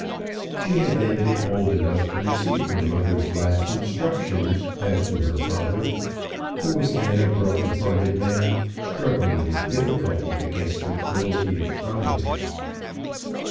She had then been old enough to receive her mother's last instructions as to her father, who was then a broken hearted man struggling with difficulty against the cruelty of Providence.